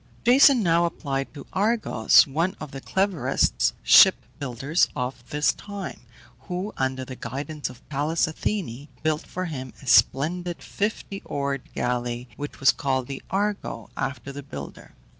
Jason now applied to Argos, one of the cleverest ship builders of his time, who, under the guidance of Pallas Athene, built for him a splendid fifty oared galley, which was called the Argo, after the builder.